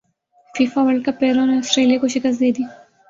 FIFA world cup Peru نے Australia کو شکست دیدی